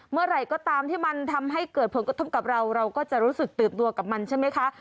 เมื่อไหร่ก็ตามที่มันทำให้เกิดผลกระทบกับเราเราก็จะรู้สึกตื่นตัวกับมันใช่ไหมคะ